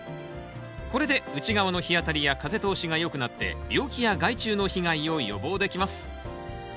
これで内側の日当たりや風通しがよくなって病気や害虫の被害を予防できます。